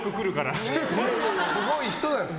すごい人なんです。